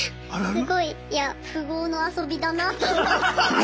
すごいいや富豪の遊びだなと思って。